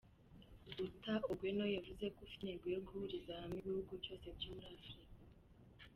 Outa Ogweno, yavuze ko ufite intego yo guhuriza hamwe ibihugu byose bya Afurika.